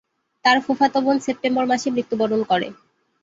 তার ফুফাতো বোন সেপ্টেম্বর মাসে মৃত্যুবরণ করে।